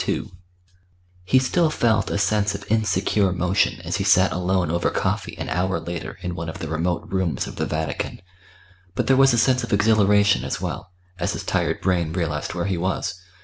II He still felt a sense of insecure motion as he sat alone over coffee an hour later in one of the remote rooms of the Vatican; but there was a sense of exhilaration as well, as his tired brain realised where he was.